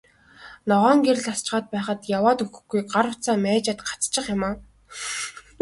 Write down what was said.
Ногоон гэрэл асчхаад байхад яваад өгөхгүй, гар утсаа маажаад гацчих юм аа.